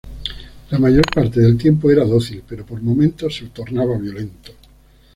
La mayor parte del tiempo era dócil, pero por momentos se tornaba violento.